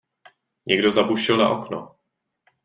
Někdo zabušil na okno.